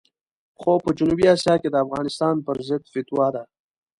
خو په جنوبي اسیا کې د افغانستان پرضد فتوا ده.